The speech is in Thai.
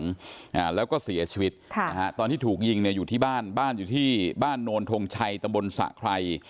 อ่าแล้วก็เสียชีวิตค่ะนะฮะตอนที่ถูกยิงเนี่ยอยู่ที่บ้านบ้านอยู่ที่บ้านโนนทงชัยตำบลสะไคร